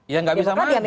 ya nggak bisa maju